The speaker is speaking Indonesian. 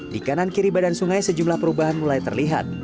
di kanan kiri badan sungai sejumlah perubahan mulai terlihat